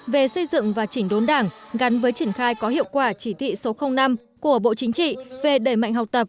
về xây dựng và chỉnh đốn đảng gắn với triển khai có hiệu quả chỉ thị số năm của bộ chính trị về đẩy mạnh học tập